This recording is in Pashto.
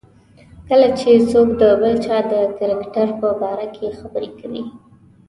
کله چې څوک د بل چا د کرکټر په باره کې خبرې کوي.